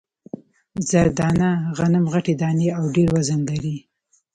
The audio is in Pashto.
زر دانه غنم غټې دانې او ډېر وزن لري.